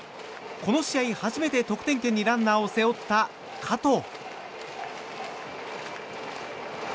この試合初めて、得点圏にランナーを背負った加藤。